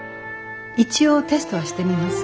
一応テストはしてみます。